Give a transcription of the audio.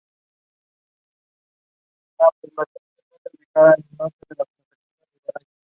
Cuanto más avanzan los jugadores, suben de nivel, ganando poder, prestigio y habilidades.